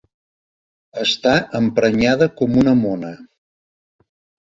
Està emprenyada com una mona.